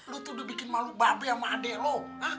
lu tuh udah bikin malu mbak be sama adek lu